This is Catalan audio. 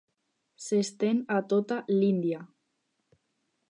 S'estén a tota l'Índia.